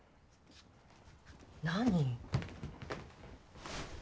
何？